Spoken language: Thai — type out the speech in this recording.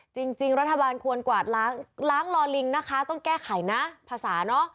จริงรัฐบาลควรกวาดล้างลอลิงนะคะต้องแก้ไขนะภาษาเนอะ